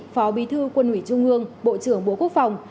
phó bí thư quân ủy trung ương bộ trưởng bộ quốc phòng